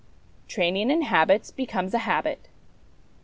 ' Training in Habits becomes a Habit.